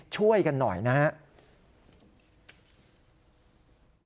ช่วยกันหน่อยนะครับ